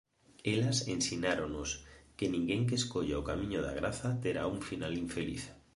Elas ensináronos que ninguén que escolla o camiño da graza terá un final infeliz.